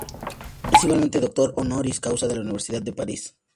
Es igualmente doctor honoris causa de la Universidad de París.